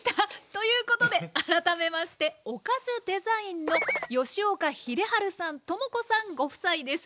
ということで改めましてオカズデザインの吉岡秀治さん知子さんご夫妻です。